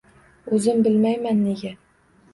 Oʻzim bilmayman nega?